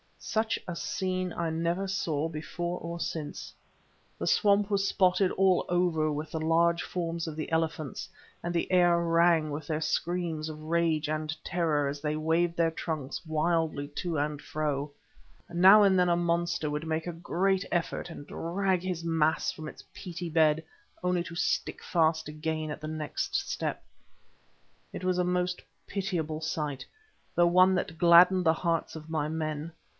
Such a scene I never saw before or since. The swamp was spotted all over with the large forms of the elephants, and the air rang with their screams of rage and terror as they waved their trunks wildly to and fro. Now and then a monster would make a great effort and drag his mass from its peaty bed, only to stick fast again at the next step. It was a most pitiable sight, though one that gladdened the hearts of my men.